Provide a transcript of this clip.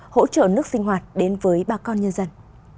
hỗ trợ nước sinh hoạt đến với bà con nhân dân